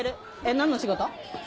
何の仕事？